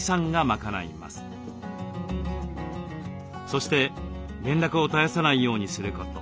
そして連絡を絶やさないようにすること。